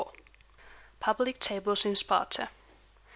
XXIV. PUBLIC TABLES IN SPARTA.